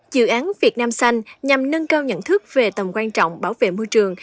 dự án việt nam xanh nhằm nâng cao nhận thức về tầm quan trọng bảo vệ môi trường